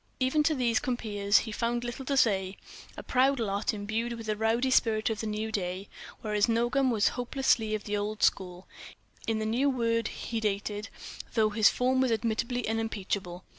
Even to these compeers he found little to say: a loud lot, imbued with the rowdy spirit of the new day; whereas Nogam was hopelessly of the old school—in the new word, he dated—though his form was admittedly unimpeachable.